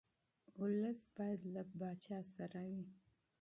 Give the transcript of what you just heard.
ولس باید له پاچا سره وي.